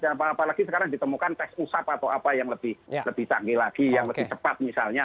apalagi sekarang ditemukan tes usap atau apa yang lebih canggih lagi yang lebih cepat misalnya